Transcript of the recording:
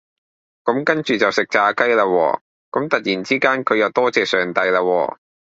咁跟住就食炸雞啦喎，咁突然之間佢又多謝上帝啦喎